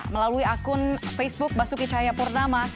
melalui akun facebook basuki cahayapurnama